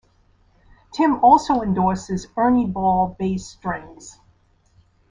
Tim also endorses Ernie Ball bass strings.